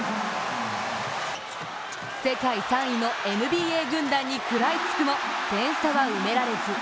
世界３位のＮＢＡ軍団に食らいつくも点差は埋められず。